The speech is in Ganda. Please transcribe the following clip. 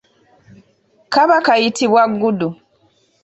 Kaba kayitibwa gudu.